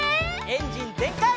エンジンぜんかい！